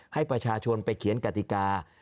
ให้ประชาชนไปเขียนกติกา